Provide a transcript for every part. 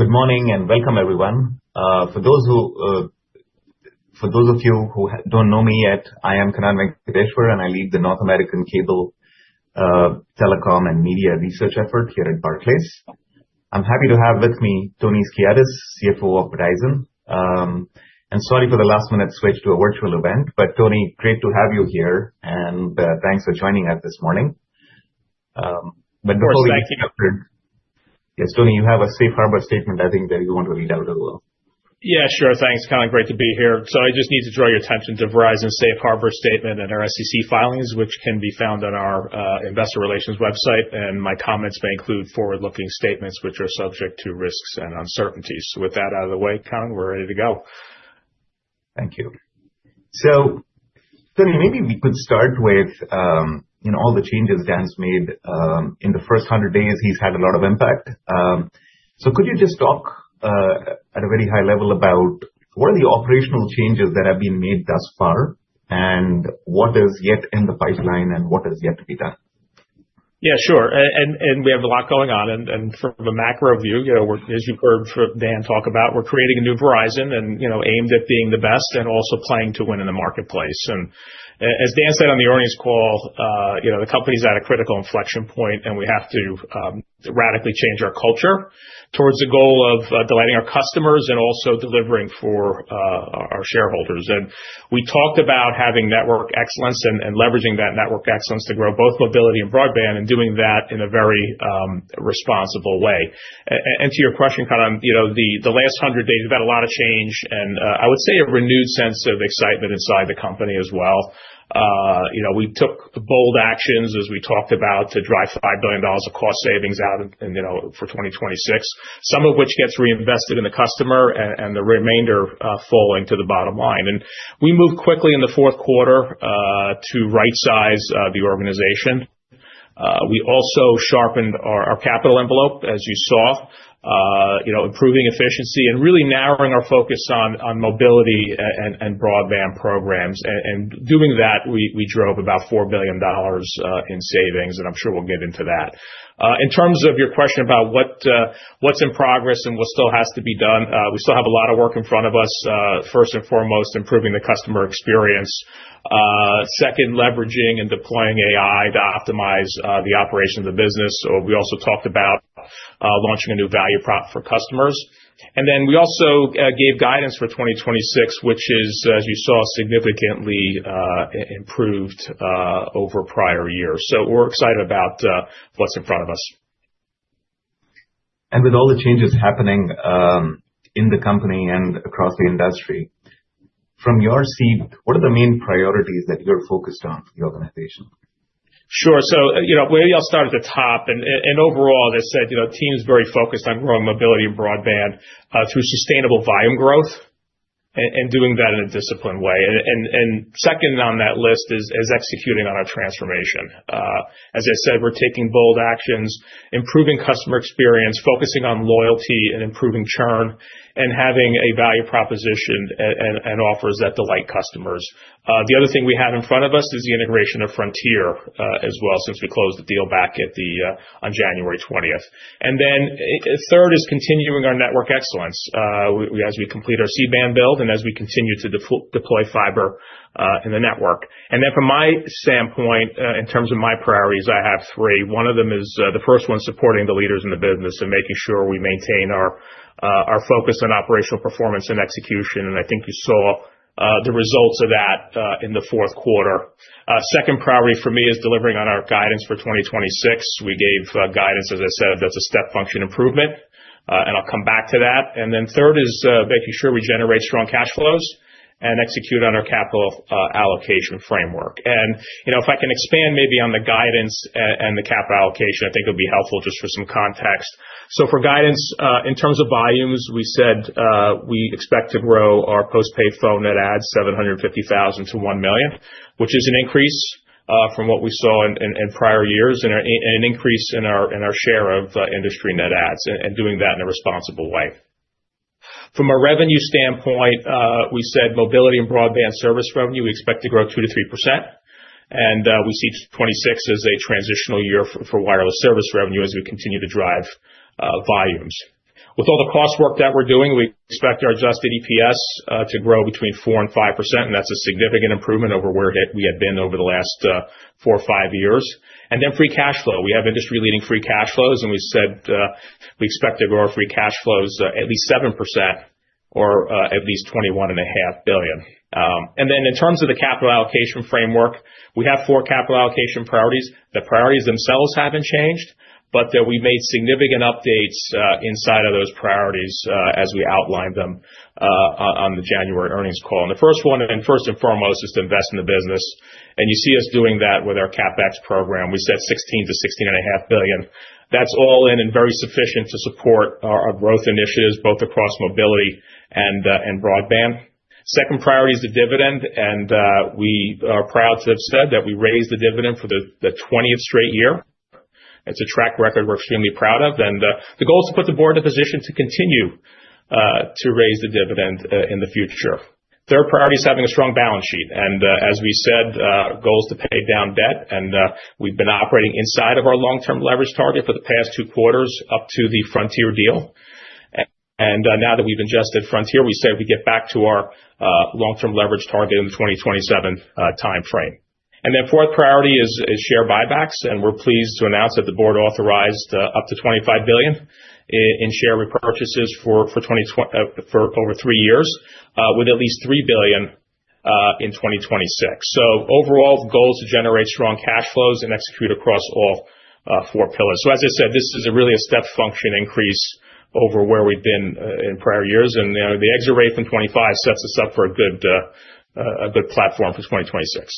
Good morning, welcome, everyone. For those who, for those of you who don't know me yet, I am Kannan Venkateshwar. I lead the North American Cable, Telecom and Media Research effort here at Barclays. I'm happy to have with me Tony Skiadas, CFO of Verizon. Sorry for the last minute switch to a virtual event, Tony, great to have you here, and thanks for joining us this morning. Of course, thank you. Yes, Tony, you have a safe harbor statement, I think, that you want to read out as well. Yeah, sure. Thanks, Kannan. Great to be here. I just need to draw your attention to Verizon's safe harbor statement and our SEC filings, which can be found on our investor relations website. My comments may include forward-looking statements which are subject to risks and uncertainties. With that out of the way, Kannan, we're ready to go. Thank you. Tony, maybe we could start with all the changes Dan's made. In the first 100 days, he's had a lot of impact. Could you just talk at a very high level about what are the operational changes that have been made thus far, and what is yet in the pipeline and what is yet to be done? Yeah, sure. We have a lot going on, from a macro view, you know, as you heard from Dan talk about, we're creating a new Verizon, you know, aimed at being the best and also playing to win in the marketplace. As Dan said on the earnings call, you know, the company's at a critical inflection point. We have to radically change our culture towards the goal of delighting our customers and also delivering for our shareholders. We talked about having network excellence and leveraging that network excellence to grow both mobility and broadband, doing that in a very responsible way. To your question, Kannan, you know, the last 100 days, we've had a lot of change and, I would say a renewed sense of excitement inside the company as well. You know, we took bold actions, as we talked about, to drive $5 billion of cost savings out and, you know, for 2026, some of which gets reinvested in the customer and the remainder, falling to the bottom line. We moved quickly in the fourth quarter to rightsize the organization. We also sharpened our capital envelope, as you saw, you know, improving efficiency and really narrowing our focus on mobility and broadband programs. Doing that, we drove about $4 billion in savings, and I'm sure we'll get into that. In terms of your question about what's in progress and what still has to be done, we still have a lot of work in front of us. First and foremost, improving the customer experience. Second, leveraging and deploying AI to optimize the operation of the business. We also talked about launching a new value prop for customers. We also gave guidance for 2026, which is, as you saw, significantly improved over prior years. We're excited about what's in front of us. With all the changes happening, in the company and across the industry, from your seat, what are the main priorities that you're focused on for the organization? Sure. You know, maybe I'll start at the top, and overall, as I said, you know, the team is very focused on growing mobility and broadband, through sustainable volume growth and doing that in a disciplined way. Second on that list is executing on our transformation. As I said, we're taking bold actions, improving customer experience, focusing on loyalty and improving churn, and having a value proposition and offers that delight customers. The other thing we have in front of us is the integration of Frontier, as well, since we closed the deal back at the, on January 20th. Third is continuing our network excellence, as we complete our C-band build and as we continue to deploy fiber, in the network. From my standpoint, in terms of my priorities, I have three. One of them is, the first one is supporting the leaders in the business and making sure we maintain our focus on operational performance and execution. I think you saw the results of that in the fourth quarter. Second priority for me is delivering on our guidance for 2026. We gave guidance, as I said, that's a step function improvement. I'll come back to that. Third is making sure we generate strong cash flows and execute on our capital allocation framework. You know, if I can expand maybe on the guidance and the CapEx allocation, I think it would be helpful just for some context. For guidance, in terms of volumes, we said we expect to grow our postpaid phone net adds 750,000-1 million, which is an increase from what we saw in prior years and an increase in our share of industry net adds, and doing that in a responsible way. From a revenue standpoint, we said mobility and broadband service revenue, we expect to grow 2%-3%, and we see 2026 as a transitional year for wireless service revenue as we continue to drive volumes. With all the cost work that we're doing, we expect our adjusted EPS to grow between 4% and 5%, and that's a significant improvement over where we had been over the last four or five years. Free cash flow. We have industry-leading free cash flows. We said we expect to grow our free cash flows at least 7% or at least $21 and a half billion. In terms of the capital allocation framework, we have four capital allocation priorities. The priorities themselves haven't changed, but that we've made significant updates inside of those priorities as we outlined them on the January earnings call. The first one, and first and foremost, is to invest in the business. You see us doing that with our CapEx program. We said $16 billion-$16.5 billion. That's all in and very sufficient to support our growth initiatives, both across mobility and broadband. Second priority is the dividend. We are proud to have said that we raised the dividend for the 20th straight year. It's a track record we're extremely proud of. The goal is to put the board in a position to continue to raise the dividend in the future. Third priority is having a strong balance sheet. As we said, goal is to pay down debt. We've been operating inside of our long-term leverage target for the past two quarters, up to the Frontier deal. Now that we've adjusted Frontier, we said we'd get back to our long-term leverage target in the 2027 timeframe. Fourth priority is share buybacks, and we're pleased to announce that the board authorized up to $25 billion in share repurchases for over three years, with at least $3 billion in 2026. Overall, the goal is to generate strong cash flows and execute across all four pillars. As I said, this is a really a step function increase over where we've been in prior years, and, you know, the exit rate from 2025 sets us up for a good, a good platform for 2026.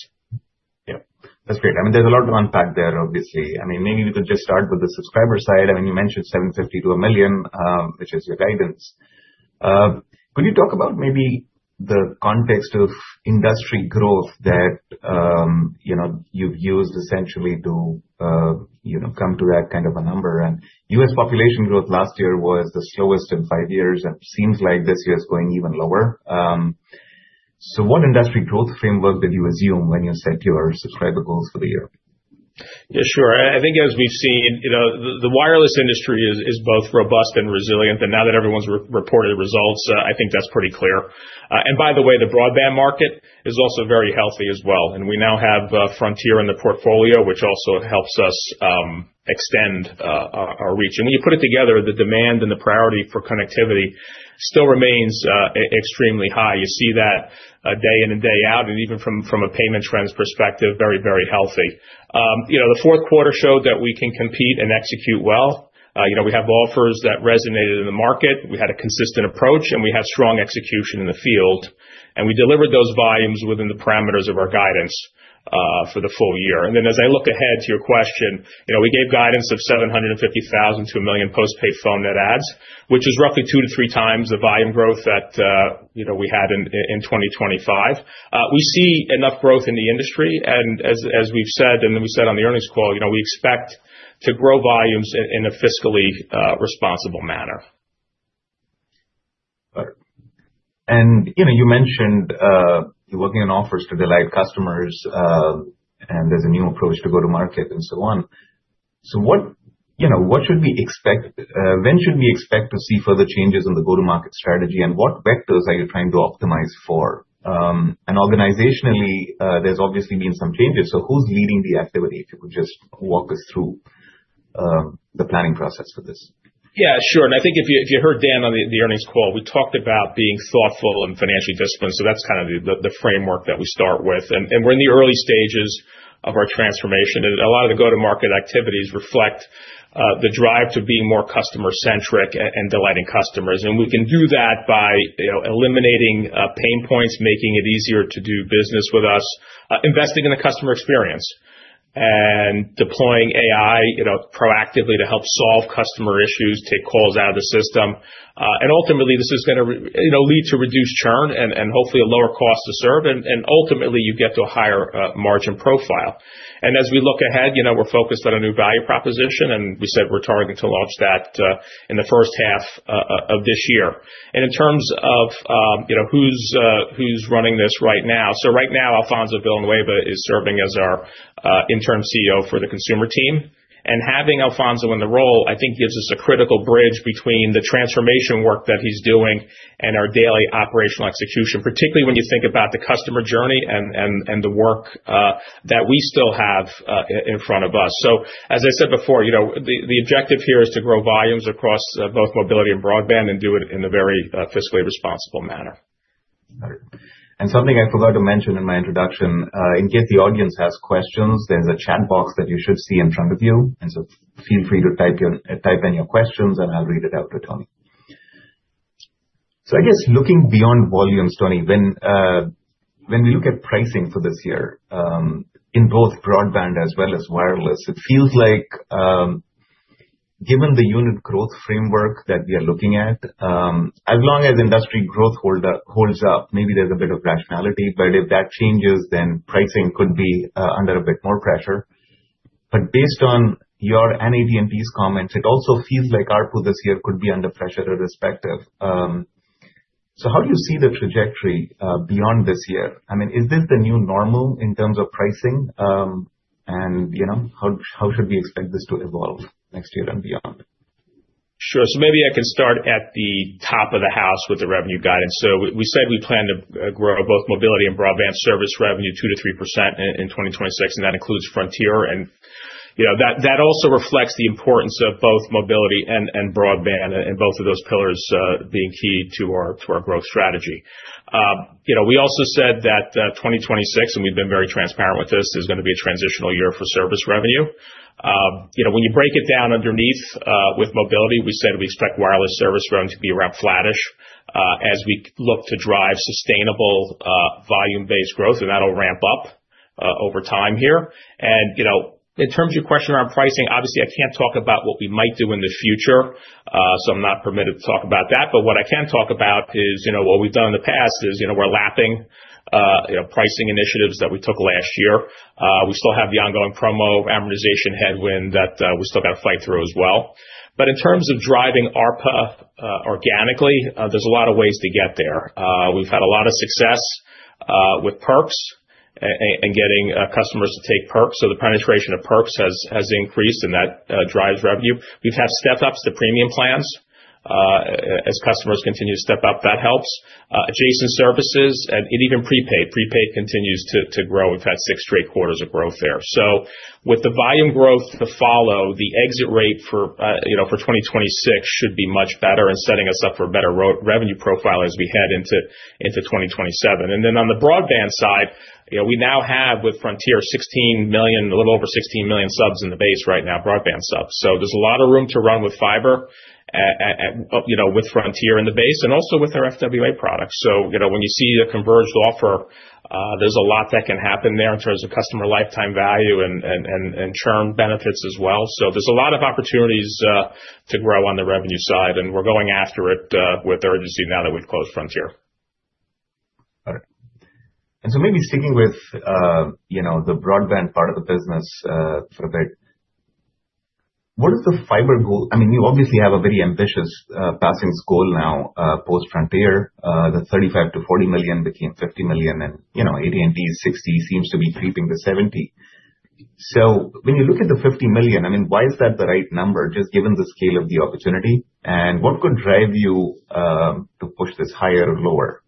Yeah. That's great. I mean, there's a lot to unpack there, obviously. I mean, maybe we could just start with the subscriber side. I mean, you mentioned 750,000-1 million, which is your guidance. Could you talk about maybe the context of industry growth that, you know, you've used essentially to, you know, come to that kind of a number? U.S. population growth last year was the slowest in five years, and it seems like this year's going even lower. What industry growth framework did you assume when you set your subscriber goals for the year? Yeah, sure. I think as we've seen, you know, the wireless industry is both robust and resilient, and now that everyone's re-reported results, I think that's pretty clear. By the way, the broadband market is also very healthy as well, and we now have Frontier in the portfolio, which also helps us extend our reach. When you put it together, the demand and the priority for connectivity still remains extremely high. You see that day in and day out, and even from a payment trends perspective, very, very healthy. You know, the fourth quarter showed that we can compete and execute well. You know, we have offers that resonated in the market. We had a consistent approach, we had strong execution in the field, we delivered those volumes within the parameters of our guidance for the full year. As I look ahead, to your question, you know, we gave guidance of 750,000 to 1 million postpaid phone net adds, which is roughly 2x to 3x the volume growth that, you know, we had in 2025. We see enough growth in the industry, as we've said, and we said on the earnings call, you know, we expect to grow volumes in a fiscally responsible manner. You know, you mentioned, you're working on offers to delight customers, and there's a new approach to go to market and so on. You know, what should we expect, when should we expect to see further changes in the go-to-market strategy, and what vectors are you trying to optimize for? Organizationally, there's obviously been some changes, so who's leading the activity? If you could just walk us through the planning process for this. Yeah, sure. I think if you heard Dan on the earnings call, we talked about being thoughtful and financially disciplined, that's kind of the framework that we start with. We're in the early stages of our transformation, and a lot of the go-to-market activities reflect the drive to being more customer-centric and delighting customers. We can do that by, you know, eliminating pain points, making it easier to do business with us, investing in the customer experience, and deploying AI, you know, proactively to help solve customer issues, take calls out of the system. Ultimately, this is gonna, you know, lead to reduced churn and hopefully a lower cost to serve, and ultimately, you get to a higher margin profile. As we look ahead, you know, we're focused on a new value proposition, and we said we're targeting to launch that in the first half of this year. In terms of, you know, who's running this right now, right now, Alfonso Villanueva is serving as our interim CEO for the consumer team. Having Alfonso in the role, I think gives us a critical bridge between the transformation work that he's doing and our daily operational execution, particularly when you think about the customer journey and the work that we still have in front of us. As I said before, you know, the objective here is to grow volumes across both mobility and broadband and do it in a very fiscally responsible manner. Got it. Something I forgot to mention in my introduction, in case the audience has questions, there's a chat box that you should see in front of you, and so feel free to type in your questions, and I'll read it out to Tony. I guess looking beyond volumes, Tony, when we look at pricing for this year, in both broadband as well as wireless, it feels like, given the unit growth framework that we are looking at, as long as industry growth holds up, maybe there's a bit of rationality, but if that changes, then pricing could be under a bit more pressure. Based on your NAD and these comments, it also feels like ARPU this year could be under pressure irrespective. How do you see the trajectory beyond this year? I mean, is this the new normal in terms of pricing? You know, how should we expect this to evolve next year and beyond? Sure. maybe I can start at the top of the house with the revenue guidance. we said we plan to grow both mobility and broadband service revenue 2%-3% in 2026, and that includes Frontier. you know, that also reflects the importance of both mobility and broadband and both of those pillars being key to our growth strategy. you know, we also said that 2026, and we've been very transparent with this, is gonna be a transitional year for service revenue. you know, when you break it down underneath with mobility, we said we expect wireless service revenue to be around flattish as we look to drive sustainable volume-based growth, and that'll ramp up over time here. You know, in terms of your question around pricing, obviously, I can't talk about what we might do in the future, so I'm not permitted to talk about that. What I can talk about is, you know, what we've done in the past is, you know, we're lapping pricing initiatives that we took last year. We still have the ongoing promo amortization headwind that we've still got to fight through as well. In terms of driving ARPA organically, there's a lot of ways to get there. We've had a lot of success with perks and getting customers to take perks. So the penetration of perks has increased, and that drives revenue. We've had step-ups to premium plans. As customers continue to step up, that helps. Adjacent services and even prepaid. Prepaid continues to grow. We've had six straight quarters of growth there. With the volume growth to follow, the exit rate for, you know, for 2026 should be much better in setting us up for a better revenue profile as we head into 2027. On the broadband side, you know, we now have, with Frontier, 16 million, a little over 16 million subs in the base right now, broadband subs. There's a lot of room to run with fiber, you know, with Frontier in the base and also with our FWA products. You know, when you see a converged offer, there's a lot that can happen there in terms of customer lifetime value and churn benefits as well. There's a lot of opportunities to grow on the revenue side, and we're going after it with urgency now that we've closed Frontier. Got it. Maybe sticking with, you know, the broadband part of the business for a bit. What is the fiber goal? I mean, you obviously have a very ambitious passings goal now, post Frontier Communications. The $35 million to $40 million became $50 million, and, you know, AT&T's $60 million seems to be creeping to $70 million. When you look at the $50 million, I mean, why is that the right number, just given the scale of the opportunity, and what could drive you to push this higher or lower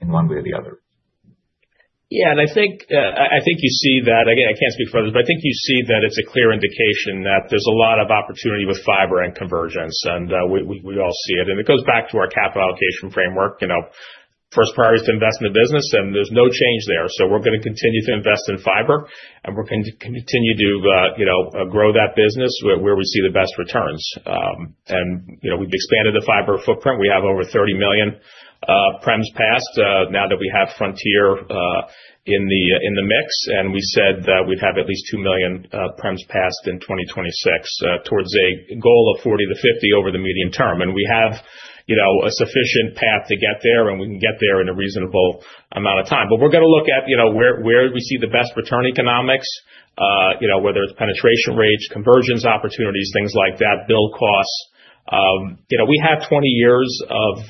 in one way or the other? Yeah, I think, I think you see that. Again, I can't speak for others, but I think you see that it's a clear indication that there's a lot of opportunity with fiber and convergence, we all see it. It goes back to our capital allocation framework. You know, first priority is to invest in the business, and there's no change there. We're going to continue to invest in fiber, and we're continue to, you know, grow that business where we see the best returns. You know, we've expanded the fiber footprint. We have over 30 million premises passed, now that we have Frontier in the mix. We said that we'd have at least 2 million premises passed in 2026 towards a goal of 40-50 over the medium term. We have, you know, a sufficient path to get there, and we can get there in a reasonable amount of time. We're going to look at, you know, where we see the best return economics, you know, whether it's penetration rates, conversions opportunities, things like that, bill costs. You know, we have 20 years of,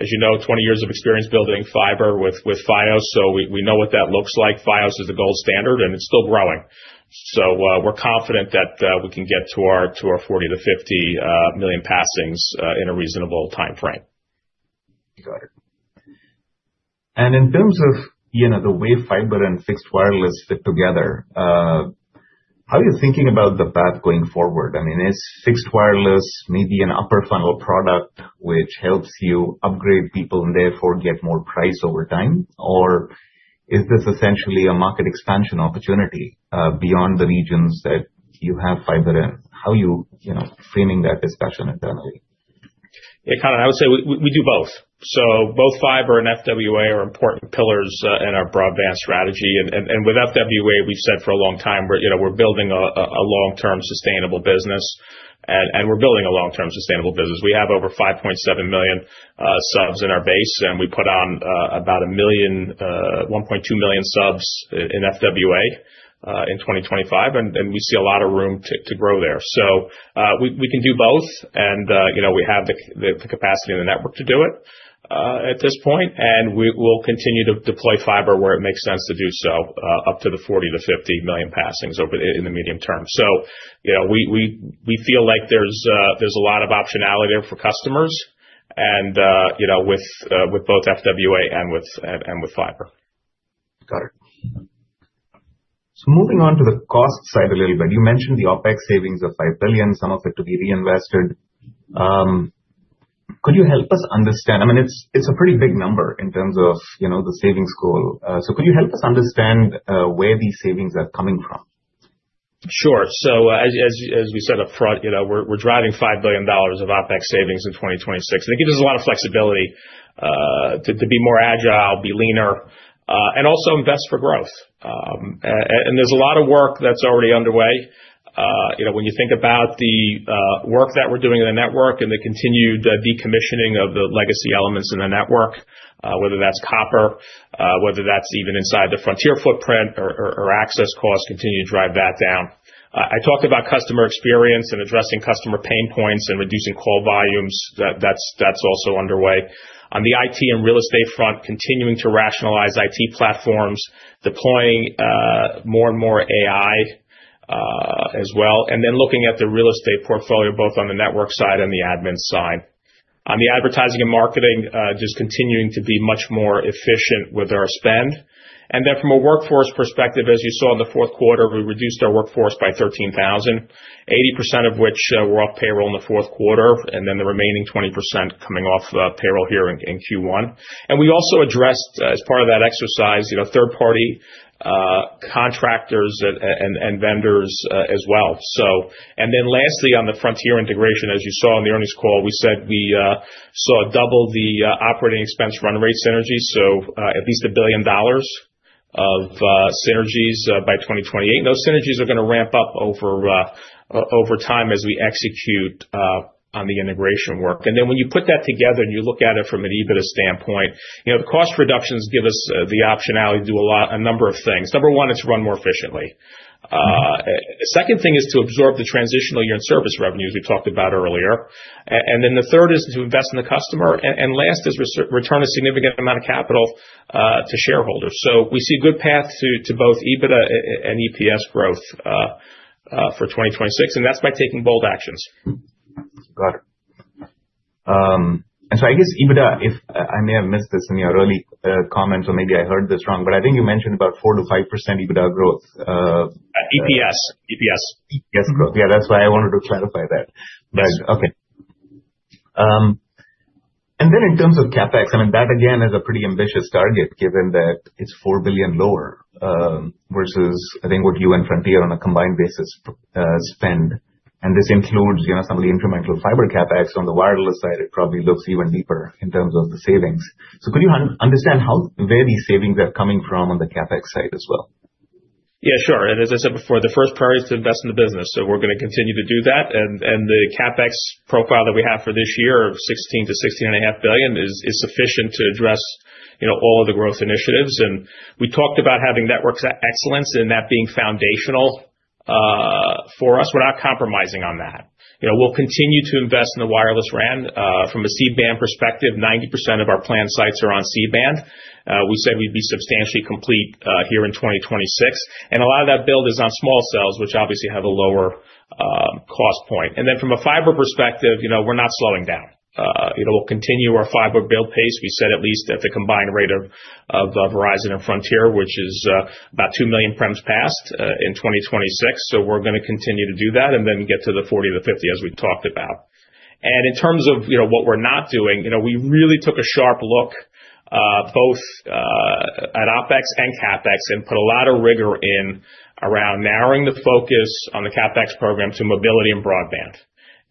as you know, 20 years of experience building fiber with Fios, so we know what that looks like. Fios is the gold standard, and it's still growing. We're confident that we can get to our 40 million-50 million passings in a reasonable timeframe. Got it. In terms of, you know, the way fiber and fixed wireless fit together, how are you thinking about the path going forward? I mean, is fixed wireless maybe an upper funnel product, which helps you upgrade people and therefore get more price over time? Is this essentially a market expansion opportunity, beyond the regions that you have fiber in? How are you know, framing that discussion internally? Yeah, Kannan, I would say we do both. Both fiber and FWA are important pillars in our broadband strategy. With FWA, we've said for a long time we're, you know, we're building a long-term sustainable business, and we're building a long-term sustainable business. We have over 5.7 million subs in our base, and we put on about 1 million, 1.2 million subs in FWA in 2025. We see a lot of room to grow there. We can do both, and, you know, we have the capacity in the network to do it at this point, and we will continue to deploy fiber where it makes sense to do so, up to the 40 million to 50 million passings over the medium term. You know, we feel like there's a lot of optionality there for customers and, you know, with both FWA and with fiber. Got it. Moving on to the cost side a little bit. You mentioned the OpEx savings of $5 billion, some of it to be reinvested. Could you help us understand? I mean, it's a pretty big number in terms of, you know, the savings goal. Could you help us understand where these savings are coming from? Sure. As we said up front, you know, we're driving $5 billion of OpEx savings in 2026. I think it gives us a lot of flexibility to be more agile, be leaner, and also invest for growth. There's a lot of work that's already underway. You know, when you think about the work that we're doing in the network and the continued decommissioning of the legacy elements in the network, whether that's copper, whether that's even inside the Frontier footprint or access costs, continue to drive that down. I talked about customer experience and addressing customer pain points and reducing call volumes. That's also underway. On the IT and real estate front, continuing to rationalize IT platforms, deploying more and more AI as well, and then looking at the real estate portfolio, both on the network side and the admin side. On the advertising and marketing, just continuing to be much more efficient with our spend. Then from a workforce perspective, as you saw in the fourth quarter, we reduced our workforce by 13,000, 80% of which were off payroll in the fourth quarter, and then the remaining 20% coming off payroll here in Q1. We also addressed, as part of that exercise, you know, third-party contractors and vendors as well. Lastly, on the Frontier integration, as you saw on the earnings call, we said we saw double the operating expense run rate synergies, so at least $1 billion of synergies by 2028. Those synergies are going to ramp up over time as we execute on the integration work. When you put that together and you look at it from an EBITDA standpoint, you know, the cost reductions give us the optionality to do a number of things. Number one, it's run more efficiently. Second thing is to absorb the transitional year-end service revenues we talked about earlier. Then the third is to invest in the customer, and last is return a significant amount of capital to shareholders. We see a good path to both EBITDA and EPS growth for 2026, and that's by taking bold actions. Got it. I guess EBITDA, if I may have missed this in your early comments, or maybe I heard this wrong, but I think you mentioned about 4%-5% EBITDA growth? EPS. EPS growth. Yeah, that's why I wanted to clarify that. Yes. Okay. Then in terms of CapEx, I mean, that again, is a pretty ambitious target, given that it's $4 billion lower, versus I think what you and Frontier on a combined basis, spend. This includes, you know, some of the incremental fiber CapEx. On the wireless side, it probably looks even deeper in terms of the savings. Could you understand how, where these savings are coming from on the CapEx side as well? Yeah, sure. As I said before, the first priority is to invest in the business, so we're gonna continue to do that. The CapEx profile that we have for this year of $16 billion to sixteen and a half billion is sufficient to address, you know, all of the growth initiatives. We talked about having networks excellence and that being foundational for us. We're not compromising on that. You know, we'll continue to invest in the wireless RAN. From a C-band perspective, 90% of our planned sites are on C-band. We said we'd be substantially complete here in 2026, and a lot of that build is on small cells, which obviously have a lower cost point. From a fiber perspective, you know, we're not slowing down. You know, we'll continue our fiber build pace. We said at least at the combined rate of, Verizon and Frontier, which is about 2 million premises passed in 2026. We're gonna continue to do that and then get to the 40 million to 50 million as we talked about. In terms of, you know, what we're not doing, you know, we really took a sharp look both at OpEx and CapEx and put a lot of rigor in around narrowing the focus on the CapEx program to mobility and broadband.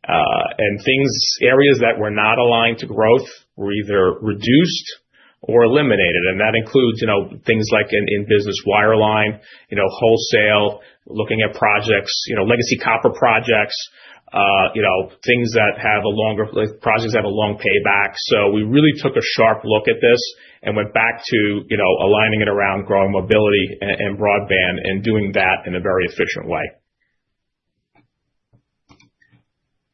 Things, areas that were not aligned to growth were either reduced or eliminated, and that includes, you know, things like in business wireline, you know, wholesale, looking at projects, you know, legacy copper projects, you know, Like, projects that have a long payback. We really took a sharp look at this and went back to, you know, aligning it around growing mobility and broadband and doing that in a very efficient way.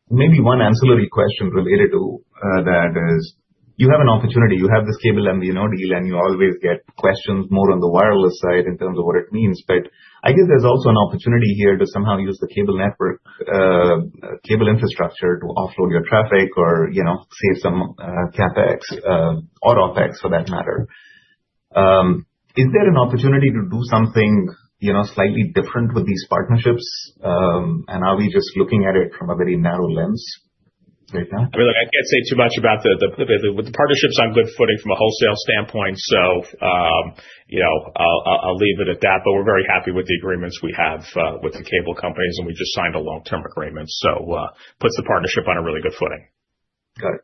Maybe one ancillary question related to that is: You have an opportunity, you have this cable MVNO deal, and you always get questions more on the wireless side in terms of what it means. I guess there's also an opportunity here to somehow use the cable network, cable infrastructure to offload your traffic or, you know, save some CapEx or OpEx, for that matter. Is there an opportunity to do something, you know, slightly different with these partnerships? Are we just looking at it from a very narrow lens right now? I mean, look, I can't say too much about the partnerships on good footing from a wholesale standpoint, so, you know, I'll leave it at that. We're very happy with the agreements we have with the cable companies, and we just signed a long-term agreement, so puts the partnership on a really good footing. Got it.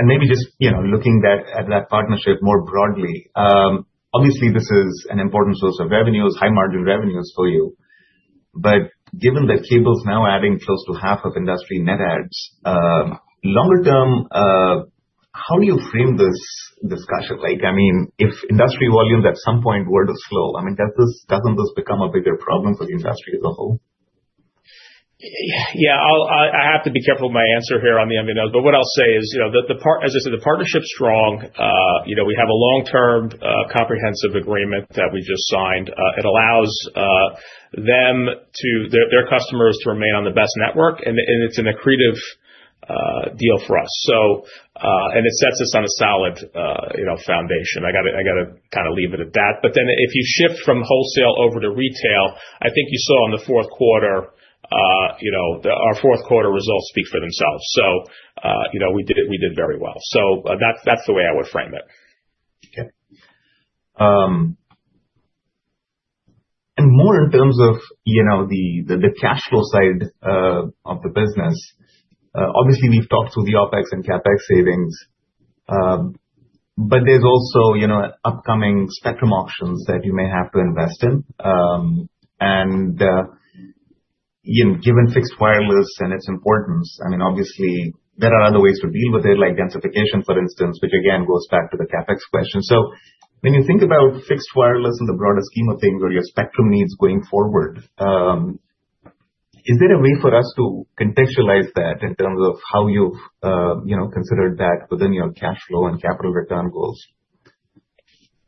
Maybe just, you know, looking back at that partnership more broadly, obviously this is an important source of revenues, high-margin revenues for you. Given that cable is now adding close to half of industry net adds, longer term, how do you frame this discussion? Like, I mean, if industry volumes at some point were to slow, I mean, doesn't this become a bigger problem for the industry as a whole? I have to be careful with my answer here on the MVNOs, what I'll say is, you know, as I said, the partnership's strong. You know, we have a long-term, comprehensive agreement that we just signed. It allows Their customers to remain on the best network, and it's an accretive deal for us. It sets us on a solid, you know, foundation. I gotta kind of leave it at that. If you shift from wholesale over to retail, I think you saw in the fourth quarter, you know, our fourth quarter results speak for themselves. You know, we did very well. That's the way I would frame it. Okay. More in terms of, you know, the cash flow side of the business. Obviously, we've talked through the OpEx and CapEx savings, there's also, you know, upcoming spectrum auctions that you may have to invest in. You know, given fixed wireless and its importance, I mean, obviously there are other ways to deal with it, like densification, for instance, which again, goes back to the CapEx question. When you think about fixed wireless in the broader scheme of things, or your spectrum needs going forward, is there a way for us to contextualize that in terms of how you've, you know, considered that within your cash flow and capital return goals?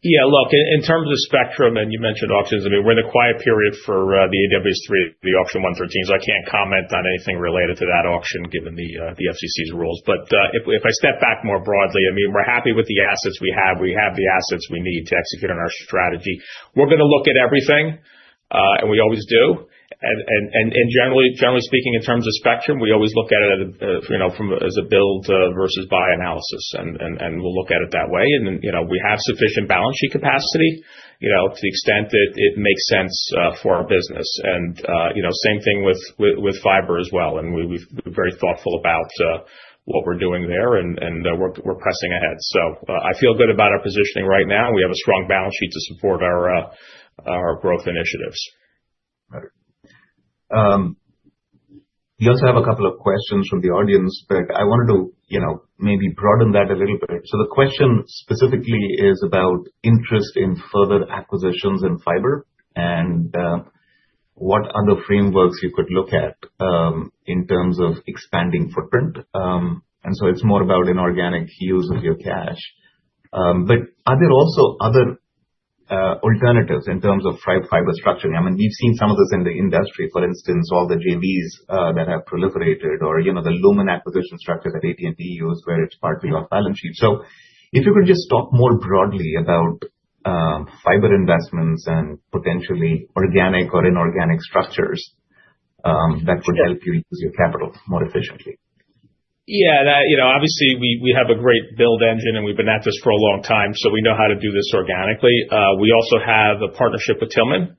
Look, in terms of spectrum, and you mentioned auctions, I mean, we're in a quiet period for the AWS-3, the Auction 113, so I can't comment on anything related to that auction, given the FCC's rules. If I step back more broadly, I mean, we're happy with the assets we have. We have the assets we need to execute on our strategy. We're gonna look at everything, and we always do, and generally speaking, in terms of spectrum, we always look at it, you know, from a, as a build versus buy analysis, and we'll look at it that way. You know, we have sufficient balance sheet capacity, you know, to the extent that it makes sense for our business. you know, same thing with fiber as well, and we're very thoughtful about what we're doing there, and we're pressing ahead. I feel good about our positioning right now. We have a strong balance sheet to support our growth initiatives. Got it. We also have a couple of questions from the audience, but I wanted to, you know, maybe broaden that a little bit. The question specifically is about interest in further acquisitions in fiber and what other frameworks you could look at in terms of expanding footprint. It's more about inorganic use of your cash. Are there also other alternatives in terms of fiber structuring? I mean, we've seen some of this in the industry, for instance, all the JVs that have proliferated or, you know, the Lumen acquisition structure that AT&T used, where it's partly off balance sheet. If you could just talk more broadly about fiber investments and potentially organic or inorganic structures that would help you use your capital more efficiently. You know, obviously, we have a great build engine, and we've been at this for a long time, so we know how to do this organically. We also have a partnership with Tillman,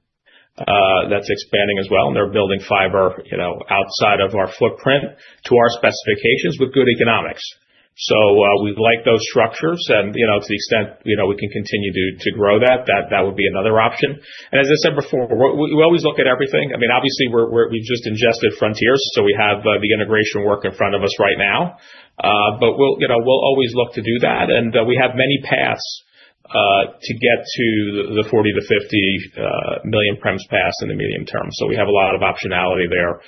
that's expanding as well, and they're building fiber, you know, outside of our footprint to our specifications with good economics. We like those structures, and, you know, to the extent, you know, we can continue to grow that would be another option. As I said before, we always look at everything. I mean, obviously, we've just ingested Frontier, so we have the integration work in front of us right now. We'll, you know, we'll always look to do that, and we have many paths to get to the 40 million-50 million premise pass in the medium term. We have a lot of optionality there,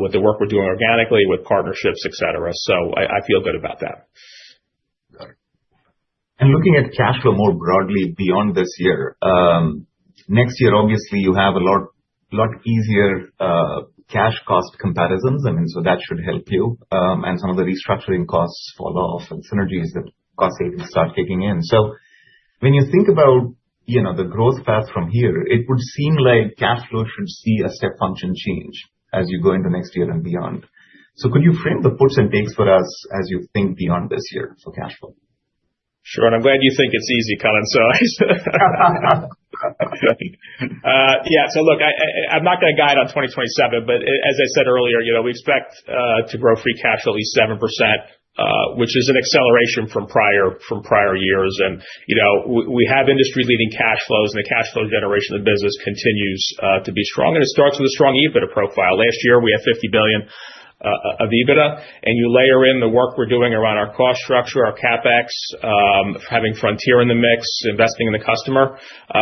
with the work we're doing organically, with partnerships, et cetera. I feel good about that. Got it. Looking at cash flow more broadly beyond this year, next year, obviously, you have a lot easier cash cost comparisons, I mean, that should help you. And some of the restructuring costs fall off and synergies that costs start kicking in. When you think about, you know, the growth path from here, it would seem like cash flow should see a step function change as you go into next year and beyond. Could you frame the puts and takes for us as you think beyond this year for cash flow? Sure. I'm glad you think it's easy, Kannan. I'm not gonna guide on 2027, but as I said earlier, you know, we expect to grow free cash flow at least 7%, which is an acceleration from prior years. You know, we have industry-leading cash flows, and the cash flow generation of the business continues to be strong, and it starts with a strong EBITDA profile. Last year, we had $50 billion of EBITDA, and you layer in the work we're doing around our cost structure, our CapEx, having Frontier in the mix, investing in the customer,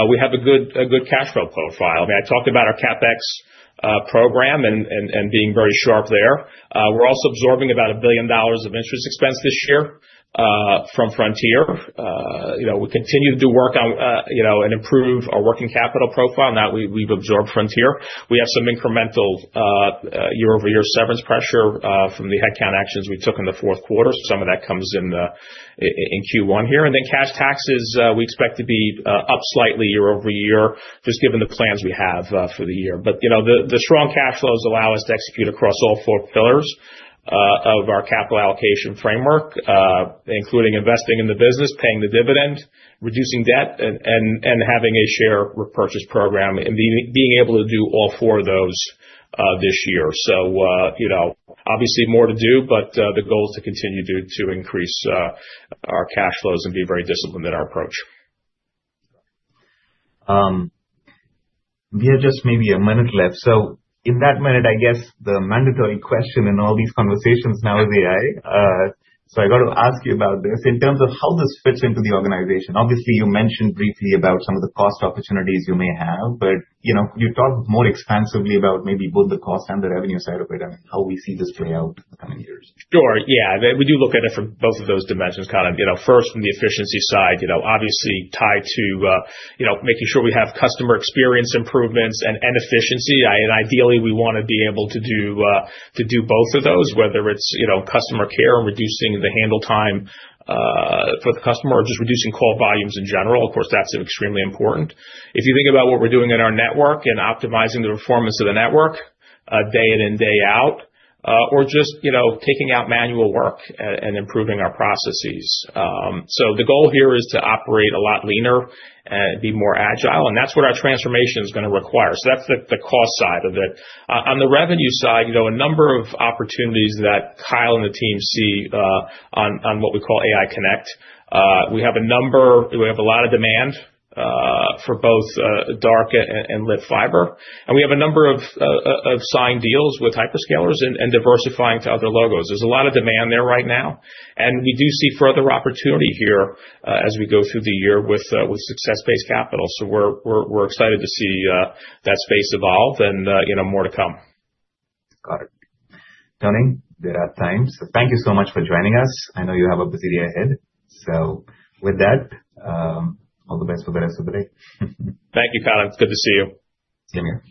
we have a good cash flow profile. I mean, I talked about our CapEx program and being very sharp there. We're also absorbing $1 billion of interest expense this year from Frontier. You know, we continue to do work on, you know, and improve our working capital profile, now we've absorbed Frontier. We have some incremental year-over-year severance pressure from the headcount actions we took in the fourth quarter. Some of that comes in in Q1 here. Cash taxes, we expect to be up slightly year-over-year, just given the plans we have for the year. You know, the strong cash flows allow us to execute across all four pillars of our capital allocation framework, including investing in the business, paying the dividend, reducing debt, and having a share repurchase program, and being able to do all four of those this year. You know, obviously more to do, but the goal is to continue to increase our cash flows and be very disciplined in our approach. We have just maybe a minute left. In that minute, I guess the mandatory question in all these conversations now is AI. I got to ask you about this in terms of how this fits into the organization. Obviously, you mentioned briefly about some of the cost opportunities you may have, but, you know, can you talk more expansively about maybe both the cost and the revenue side of it and how we see this play out in the coming years? Sure, yeah. We do look at it from both of those dimensions, Kannan. You know, first, from the efficiency side, you know, obviously tied to, you know, making sure we have customer experience improvements and efficiency. Ideally, we wanna be able to do to do both of those, whether it's, you know, customer care and reducing the handle time for the customer or just reducing call volumes in general. Of course, that's extremely important. If you think about what we're doing in our network and optimizing the performance of the network, day in and day out, or just, you know, taking out manual work and improving our processes. The goal here is to operate a lot leaner and be more agile, and that's what our transformation is gonna require. That's the cost side of it. On the revenue side, you know, a number of opportunities that Kyle and the team see, on what we call AI Connect. We have a lot of demand, for both, dark and lit fiber, and we have a number of signed deals with hyperscalers and diversifying to other logos. There's a lot of demand there right now, and we do see further opportunity here, as we go through the year with success-based capital. We're excited to see that space evolve and, you know, more to come. Got it. Tony, we're out of time. Thank you so much for joining us. I know you have a busy day ahead. With that, all the best for the rest of the day. Thank you, Kannan. It's good to see you. Same here.